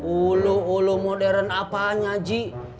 ulu ulu modern apaan ji